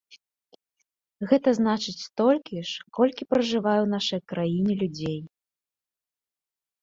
Гэта значыць столькі ж, колькі пражывае ў нашай краіне людзей.